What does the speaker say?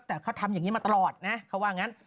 แต่เขาทำอย่างนี้มาตลอดนะเขาว่างั้น